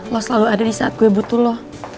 lo selalu ada disaat gue butuh lo